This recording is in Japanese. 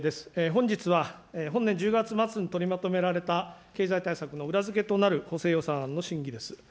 本日は、本年１０月末に取りまとめられた経済対策の裏付けとなる補正予算案の審議です。